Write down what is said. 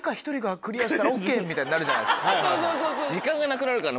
時間がなくなるからな